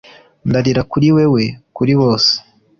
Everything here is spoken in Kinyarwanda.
ndarira kuri wewe kuri bose